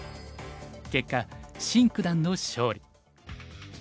結果シン九段の勝利。